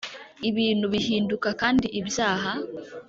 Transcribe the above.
ibintu bihinduka kandi ibyaha